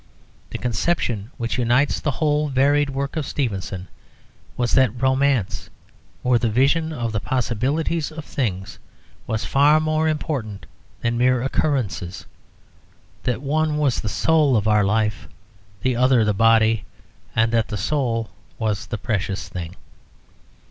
The conception which unites the whole varied work of Stevenson was that romance, or the vision of the possibilities of things, was far more important than mere occurrences: that one was the soul of our life, the other the body, and that the soul was the precious thing.